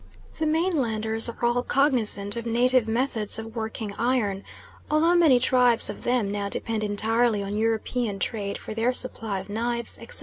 The mainlanders are all cognisant of native methods of working iron, although many tribes of them now depend entirely on European trade for their supply of knives, etc.